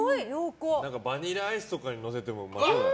バニラアイスとかにのせてもうまそう。